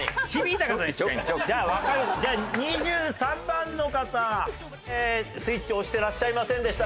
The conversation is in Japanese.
じゃあわかる２３番の方スイッチ押してらっしゃいませんでしたが。